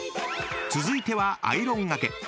［続いてはアイロンがけ。